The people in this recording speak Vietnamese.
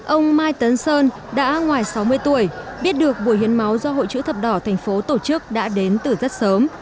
ông mai tấn sơn đã ngoài sáu mươi tuổi biết được buổi hiến máu do hội chữ thập đỏ thành phố tổ chức đã đến từ rất sớm